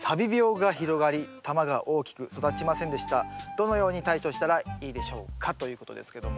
「どのように対処したらいいでしょうか」ということですけども。